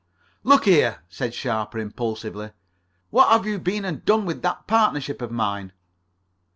"Look here," said Sharper impulsively, "what have you been and done with that partnership of mine?"